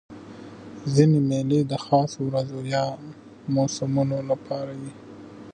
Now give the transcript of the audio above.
ځیني مېلې د خاصو ورځو یا موسمونو له پاره يي.